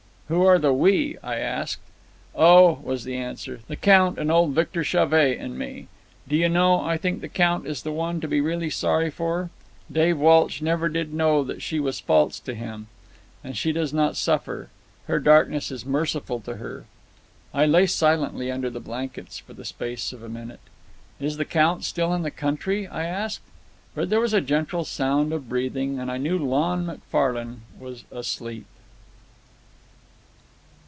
"Who are the we?" I asked. "Oh," was the answer, "the Count and old Victor Chauvet and me. Do you know, I think the Count is the one to be really sorry for. Dave Walsh never did know that she was false to him. And she does not suffer. Her darkness is merciful to her." I lay silently under the blankets for the space of a minute. "Is the Count still in the country?" I asked. But there was a gentle sound of heavy breathing, and I knew Lon McFane was asleep.